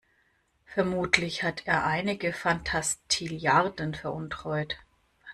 Vermutlich hat er einige Fantastilliarden veruntreut.